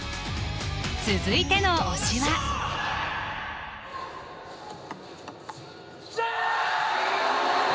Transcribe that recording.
続いての推しはしゃあ！